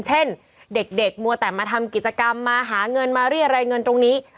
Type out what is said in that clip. เช่นเด็กมัวแต่มาทำกิจกรรมมาหาเงินมาเรียรายเงินตรงนี้